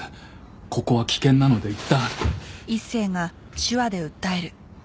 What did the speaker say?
ここは危険なのでいったん。